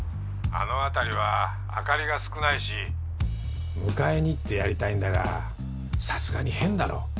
あの辺りは明かりが少ないし迎えに行ってやりたいんだがさすがに変だろ。